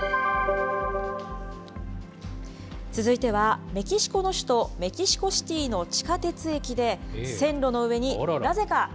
続いては、メキシコの首都メキシコシティーの地下鉄駅で、どうして？